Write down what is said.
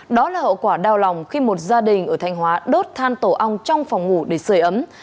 đó là hậu quả đau lòng khi một gia đình ở thanh hóa đốt than tổ ong trong phòng ngủ để sửa ấm